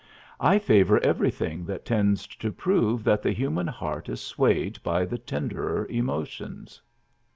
I favor everything that tends to prove that the human heart is swayed by the tenderer emotions.